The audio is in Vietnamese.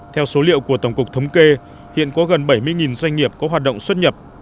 theo số liệu của tổng cục thống kê hiện có gần bảy mươi doanh nghiệp có hoạt động xuất nhập